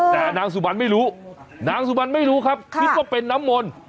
แต่นางสุบันไม่รู้นางสุบันไม่รู้ครับคิดว่าเป็นน้ำมนต์